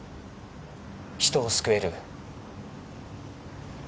人を救える。